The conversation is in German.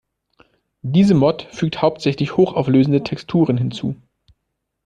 Diese Mod fügt hauptsächlich hochauflösende Texturen hinzu.